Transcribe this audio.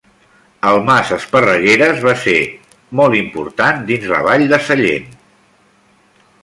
El mas Esparregueres va ser molt important dins la vall de Sallent.